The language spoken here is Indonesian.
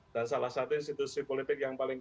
dan salah satu institusi politik yang paling